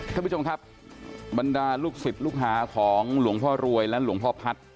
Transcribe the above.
ท่านผู้ชมครับบรรดาลูกศิษย์ลูกหาของหลวงพ่อรวยและหลวงพ่อพัฒน์